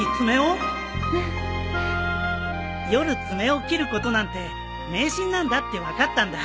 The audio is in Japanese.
うん夜爪を切ることなんて迷信なんだって分かったんだ。